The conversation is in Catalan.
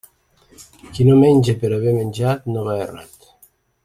Qui no menja per haver menjat, no va errat.